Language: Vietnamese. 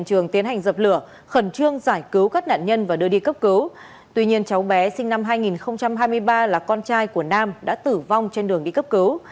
tuy nhiên cháu bé sinh năm hai nghìn hai mươi ba là con trai của nam đã tử vong trên đường đi cấp cứu